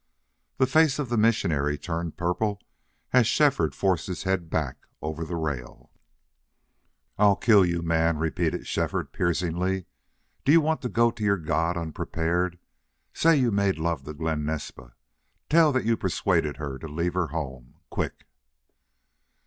The face of the missionary turned purple as Shefford forced his head back over the rail. "I'll kill you, man," repeated Shefford, piercingly. "Do you want to go to your God unprepared? Say you made love to Glen Naspa tell that you persuaded her to leave her home. Quick!"